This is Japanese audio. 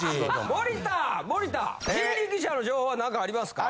森田森田人力舎の情報は何かありますか？